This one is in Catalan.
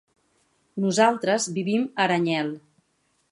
Nosaltres vivim a Aranyel.